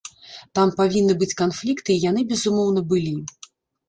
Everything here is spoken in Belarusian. Там павінны быць канфлікты, і яны, безумоўна, былі.